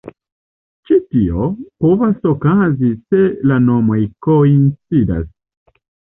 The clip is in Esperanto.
Ĉi tio povas okazi se la nomoj koincidas.